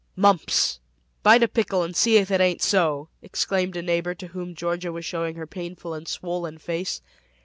"Mumps. Bite a pickle and see if it ain't so!" exclaimed a neighbor to whom Georgia was showing her painful and swollen face.